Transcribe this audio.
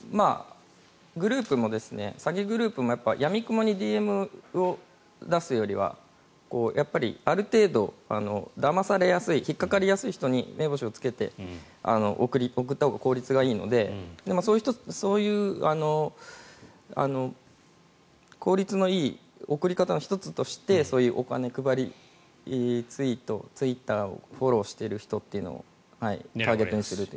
グループも詐欺グループもやみくもにＤＭを出すよりはある程度、だまされやすい引っかかりやすい人に目星をつけて送ったほうが効率がいいのででも、そういう効率のいい送り方の１つとしてそういうお金配りツイートツイッターをフォローしている人をターゲットにする。